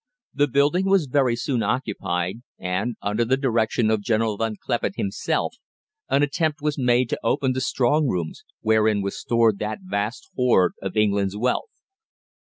The building was very soon occupied, and, under the direction of General Von Kleppen himself, an attempt was made to open the strong rooms, wherein was stored that vast hoard of England's wealth.